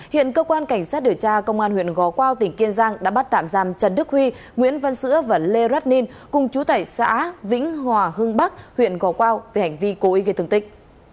hiện cơ quan cảnh sát điều tra công an huyện gò quao tỉnh kiên giang đã bắt tạm giam trần đức huy nguyễn văn sữa và lêrat ninh cùng chú tẩy xã vĩnh hòa hưng bắc huyện gò quao về hành vi cố ý gây thương tích